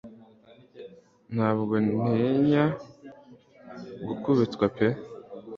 Ntabwo ntinya gukubitwa pe